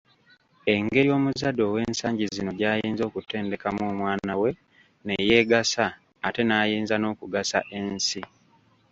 Engeri omuzadde ow'ensangi zino gy’ayinza okutendekamu omwana we ne yeegasa ate n’ayinza n’okugasa ensi.